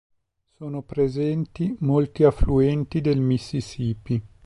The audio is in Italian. Sono presenti molti affluenti del Mississippi.